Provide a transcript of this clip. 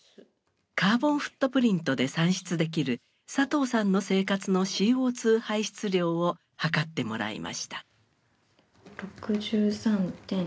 カーボンフットプリントで算出できるサトウさんの生活のＣＯ排出量を測ってもらいました。